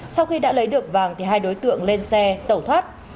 sau khi đã lấy được vàng thì hai đối tượng lên xe tẩu thoát